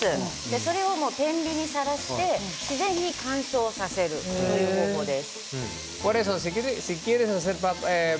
それを、天日にさらして自然に乾燥させるという方法です。